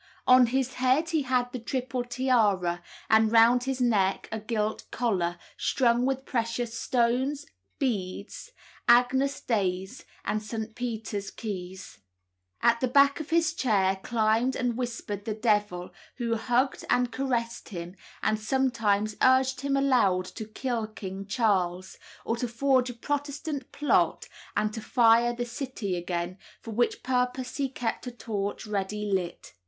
On his head he had the triple tiara, and round his neck a gilt collar, strung with precious stones, beads, Agnus Dei's, and St. Peter's keys. At the back of his chair climbed and whispered the devil, who hugged and caressed him, and sometimes urged him aloud to kill King Charles, or to forge a Protestant plot and to fire the city again, for which purpose he kept a torch ready lit.